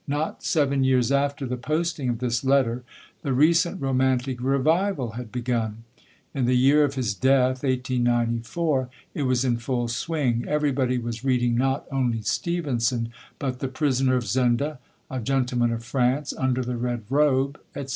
Not seven years after the posting of this letter, the recent Romantic Revival had begun. In the year of his death, 1894, it was in full swing; everybody was reading not only Stevenson, but The Prisoner of Zenda, A Gentleman of France, Under the Red Robe, etc.